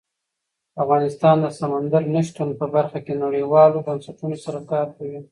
افغانستان د سمندر نه شتون په برخه کې نړیوالو بنسټونو سره کار کوي.